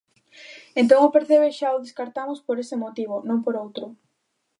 Entón o percebe xa o descartamos por ese motivo, non por outro.